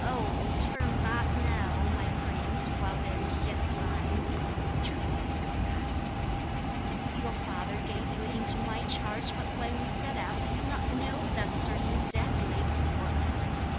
'Oh! turn back now, my prince, while there is yet time,' entreated his companion. 'Your father gave you into my charge; but when we set out I did not know that certain death lay before us.'